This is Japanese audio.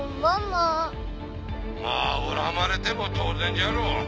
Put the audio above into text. まぁ恨まれても当然じゃろ。